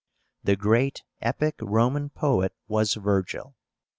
The great epic Roman poet was VIRGIL.